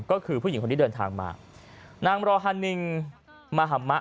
ก็คือผู้หญิงคนที่เดินทางมานางรอฮานิงมหัมมะ